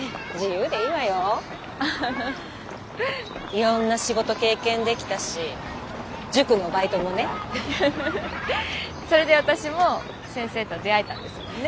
いろんな仕事経験できたし塾のバイトもね。それで私も先生と出会えたんですもんね。